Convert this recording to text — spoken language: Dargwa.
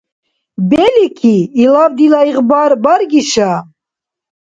Белики, илаб дила игъбар баргиша?